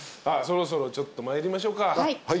そろそろちょっと参りましょうか。